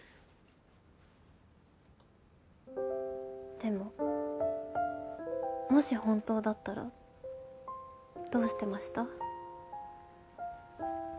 でももし本当だったらどうしてました？